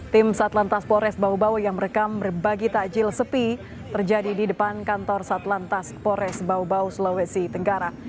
tim satlantas polres bau bau yang merekam berbagi takjil sepi terjadi di depan kantor satlantas pores bau bau sulawesi tenggara